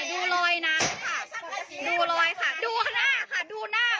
ดูรอยน้ำค่ะดูร้อยค่ะดูหน้าค่ะดูหน้ามันค่ะ